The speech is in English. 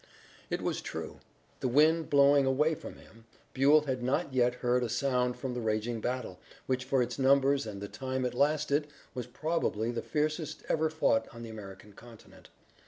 It was true. The wind blowing away from him, Buell had not yet heard a sound from the raging battle, which for its numbers and the time it lasted, was probably the fiercest ever fought on the American continent.